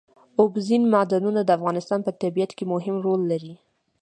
اوبزین معدنونه د افغانستان په طبیعت کې مهم رول لري.